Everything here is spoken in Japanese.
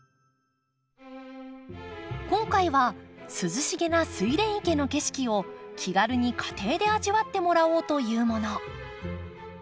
今回は涼しげなスイレン池の景色を気軽に家庭で味わってもらおうというもの。